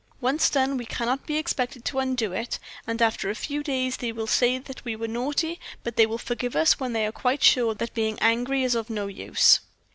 Once done, we cannot be expected to undo it, and after a few days they will say that we were naughty; but they will forgive us when they are quite sure that being angry is of no use.'